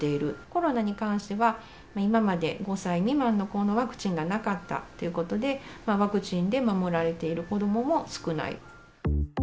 コロナに関しては、今まで５歳未満の子のワクチンがなかったということで、ワクチンで守られている子どもも少ない。